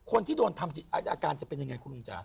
คนที่โดนทำอาการจะเป็นยังไงคุณลุงจ๋า